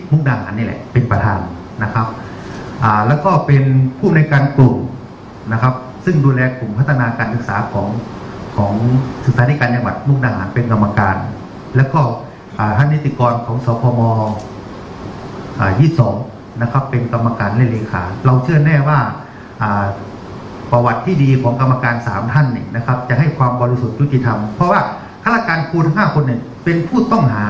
มูกดาหารนี่แหละเป็นประธานนะครับอ่าแล้วก็เป็นผู้